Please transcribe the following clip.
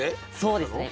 そうですね。